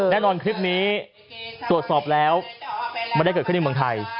คลิปนี้ตรวจสอบแล้วไม่ได้เกิดขึ้นในเมืองไทย